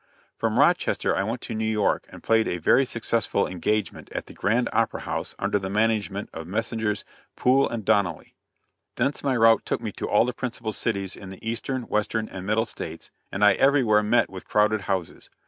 From Rochester I went to New York and played a very successful engagement at the Grand Opera House under the management of Messrs. Poole and Donnelly. Thence my route took me to all the principal cities in the Eastern, Western and Middle States, and I everywhere met with crowded houses.